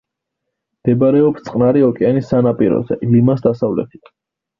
მდებარეობს წყნარი ოკეანის სანაპიროზე, ლიმას დასავლეთით.